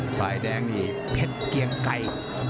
ฝ่ายแดงนี่เพชรเกียงไก่